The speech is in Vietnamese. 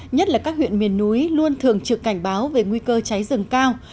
nhất là các huyện miền núi luôn thường trực cảnh báo về nguy cơ cháy rừng cao